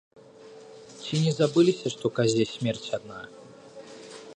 Ці не забыліся, што казе смерць адна?